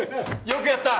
よくやった！